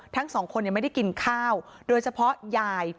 ทั้งสองคนยังไม่ได้กินข้าวโดยเฉพาะยาย